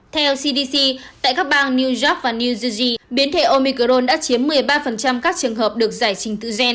theo cdc tại các bang new york và new zegi biến thể omicron đã chiếm một mươi ba các trường hợp được giải trình tự gen